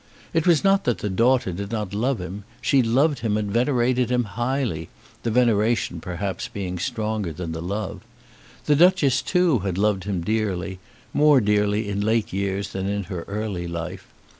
It was not that the daughter did not love him. She loved him and venerated him highly, the veneration perhaps being stronger than the love. The Duchess, too, had loved him dearly, more dearly in late years than in her early life.